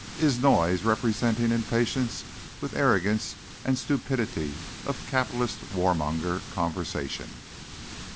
"Is noise representing impatience with arrogance and stupidity of capitalist warmonger conversation."